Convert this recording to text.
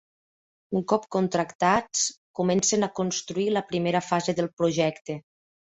Un cop contractats, comencen a construir la primera fase del projecte.